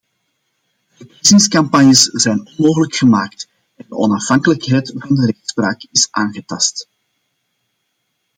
Verkiezingscampagnes zijn onmogelijk gemaakt en de onafhankelijkheid van de rechtspraak is aangetast.